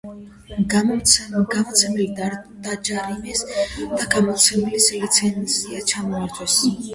გამომცემლები დააჯარიმეს და გამომცემლის ლიცენზია ჩამოართვეს.